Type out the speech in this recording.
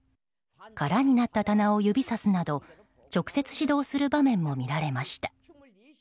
空になった棚を指さすなど直接指導する場面も見られました。